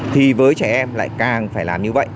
thì với trẻ em lại càng phải làm như vậy